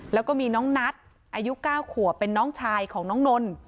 แล้วก็มีน้องนัทอายุ๙ขวบเป็นน้องชายของน้องนนท์